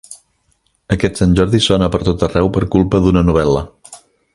Aquest Sant Jordi sona per tot arreu per culpa d'una novel·la.